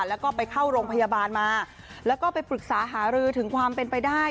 แล้วก็ไปเข้าโรงพยาบาลมาแล้วก็ไปปรึกษาหารือถึงความเป็นไปได้